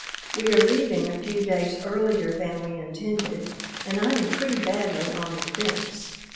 We are leaving a few days earlier than we intended and I am pretty badly on the fence.